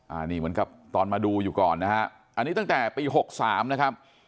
อันนี้เหมือนกับตอนมาดูอยู่ก่อนนะฮะอันนี้ตั้งแต่ปีหกสามนะครับ